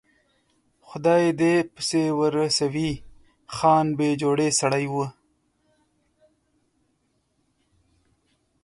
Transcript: خدای یې دې پسې ورسوي، خان بې جوړې سړی و.